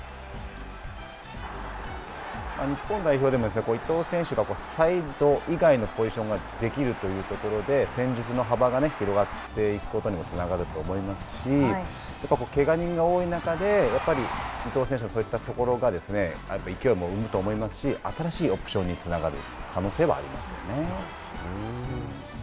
日本代表でも、伊東選手がサイド以外のポジションができるというところで、戦術の幅が広がっていくことにもつながると思いますし、やっぱりけが人が多い中で、やっぱり伊東選手のそういったところが勢いを生むと思いますし、新しいオプションにつながる可能性はありますよね。